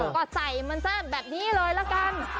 ก็ใส่มันซะแบบนี้เลยละกัน